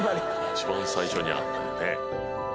一番最初にあった。